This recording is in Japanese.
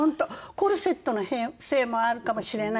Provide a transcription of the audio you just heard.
コルセットのせいもあるかもしれないけれども。